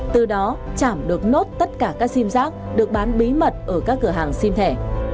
từ đó chảm được nốt tất cả các xim rác được bán bí mật ở các cửa hàng xim thẻ